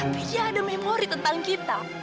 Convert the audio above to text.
tapi dia ada memori tentang kita